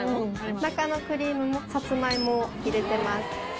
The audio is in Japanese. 中のクリームもさつまいもを入れてます。